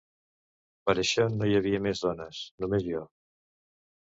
Per això no hi havia més dones, només jo...